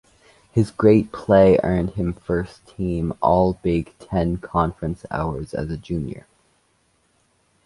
His great play earned him First-Team All-Big Ten Conference honors as a junior.